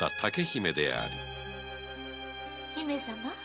姫様。